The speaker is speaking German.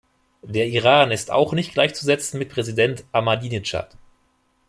Der Iran ist auch nicht gleichzusetzen mit Präsident Ahmadinedschad.